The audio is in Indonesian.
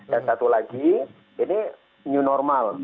dan satu lagi ini new normal